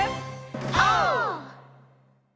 オー！